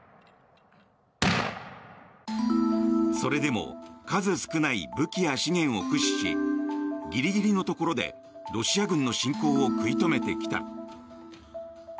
それでも数少ない武器や資源を駆使しギリギリのところでロシア軍の侵攻を食い止めてきた。